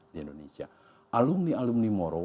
di indonesia alumni alumni moro